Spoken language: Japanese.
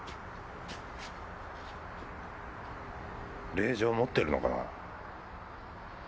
令状持ってるのかな？